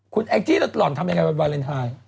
คุณแองจี้แล้วหล่อนทำยังไงวันวาเลนไทย